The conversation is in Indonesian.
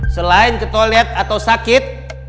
selain ketolet atau sakit